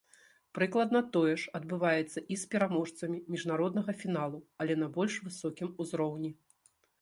Прыкладна тое ж адбываецца і з пераможцамі міжнароднага фіналу, але на больш высокім узроўні.